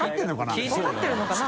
安斉）分かってるのかな？